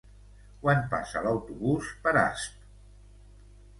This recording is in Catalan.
Quan passa l'autobús per Asp?